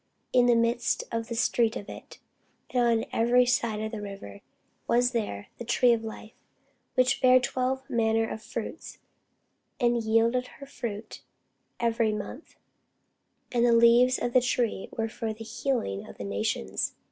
In the midst of the street of it, and on either side of the river, was there the tree of life, which bare twelve manner of fruits, and yielded her fruit every month: and the leaves of the tree were for the healing of the nations.